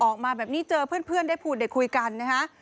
ออกมาแบบนี้เจอเพื่อนได้พูดได้คุยกันนะฮะ